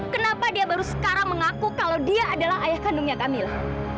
kenapa dia baru sekarang mengaku kalau dia adalah ayah kandungnya kamil